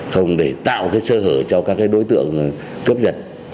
không để tạo cái sơ hở cho các cái đối tượng cướp giật